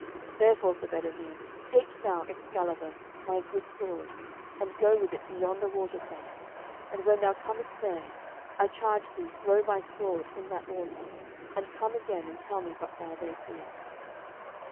Therefore, Sir Bedivere, take thou Excalibur, my good sword, and go with it to yonder waterside, and when thou comest there, I charge thee throw my sword in that water, and come again, and tell me what thou there seest."